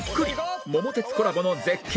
『桃鉄』コラボの絶景